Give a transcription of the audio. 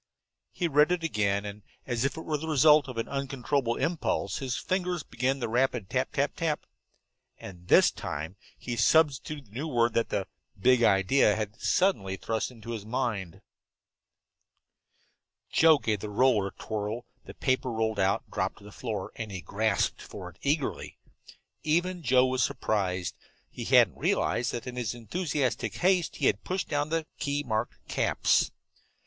He read it again, and as if it were the result of an uncontrollable impulse, his fingers began the rapid tap tap tap. And this time he substituted the new word that the big idea had suddenly thrust into his mind. Joe gave the roller a twirl, the paper rolled out, dropped to the floor, and he grasped for it eagerly. Even Joe was surprised. He hadn't realized that in his enthusiastic haste he had pushed down the key marked "caps."